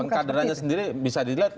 pengkaderannya sendiri bisa dilihat